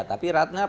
tapi ratna paham ya